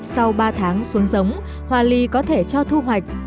sau ba tháng xuống giống hoa ly có thể cho thu hoạch